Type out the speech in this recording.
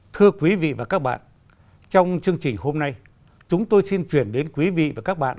thưa quý vị và các bạn trong chương trình hôm nay chúng tôi xin chuyển đến quý vị và các bạn